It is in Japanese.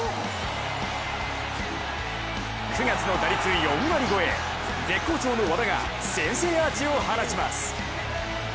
９月の打率４割超え、絶好調の和田が先制アーチを放ちます。